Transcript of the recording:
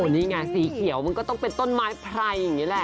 นี้ไงมันก็ต้องเป็นต้นไม้ไพร